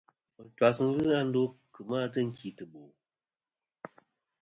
Ɨntwas nɨn ghɨ a ndo kemɨ a tɨnkìtɨbo.